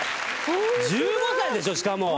１５歳でしょ、しかも。